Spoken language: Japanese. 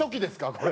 これ。